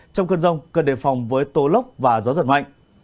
trong cơn rông cơn đầy phòng với tố lốc và gió giật mạnh